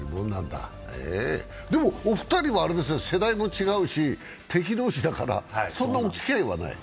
でも、お二人は世代も違うし敵同士だからそんなおつきあいはない？